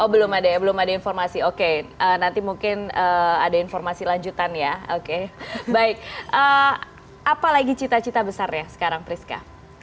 oh belum ada ya belum ada informasi oke nanti mungkin ada informasi lanjutan ya oke baik apalagi cita cita besarnya sekarang priska